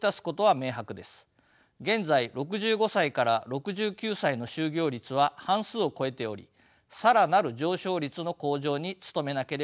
現在６５歳６９歳の就業率は半数を超えており更なる上昇率の向上に努めなければなりません。